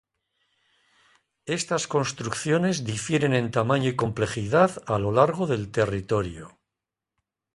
Estas construcciones difieren en tamaño y complejidad a lo largo del territorio.